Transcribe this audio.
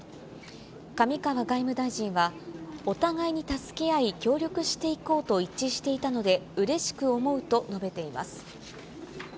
上川外務大臣は、お互いに助け合い、協力していこうと一致していたのでうれしく思うと述べています。